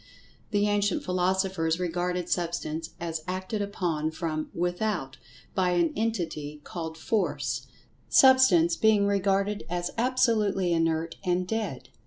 The ancient philosophers regarded Substance as acted upon from without by an entity called Force, Substance being regarded as absolutely inert and "dead."